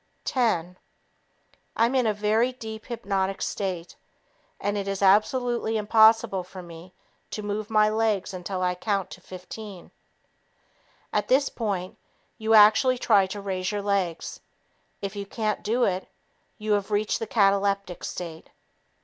Ten ... I'm in a very deep hypnotic state, and it is absolutely impossible for me to move my legs until I count to 15." At this point, you actually try to raise your legs. If you can't do it, you have reached the cataleptic stage.